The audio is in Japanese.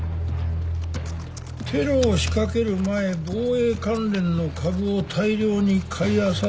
テロを仕掛ける前防衛関連の株を大量に買いあさっていた人物。